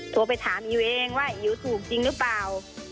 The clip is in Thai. โทรไปถามอิ๋วเองว่าอิ๋วถูกจริงหรือเปล่า